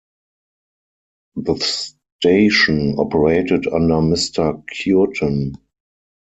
The station operated under Mr. Cureton.